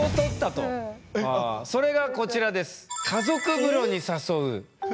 それがこちらです。